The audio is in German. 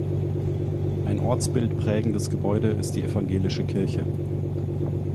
Ein ortsbildprägendes Gebäude ist die Evangelische Kirche.